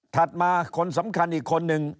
มาคนสำคัญอีกคนนึง